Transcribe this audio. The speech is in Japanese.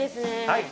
はい。